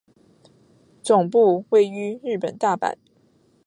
总部位于日本大阪。